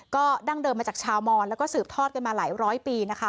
ก็ดั้งเดิมมาจากชาวมอนแล้วก็สืบทอดกันมาหลายร้อยปีนะคะ